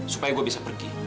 supaya gue bisa pergi